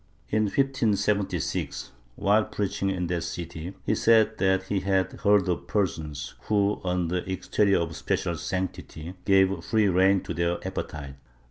In 1576, while preaching in that city, he said that he had heard of persons who, under an exterior of special sanctity, gave free rein to their appe tites.